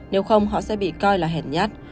nếu không họ sẽ bị coi là hẹn nhát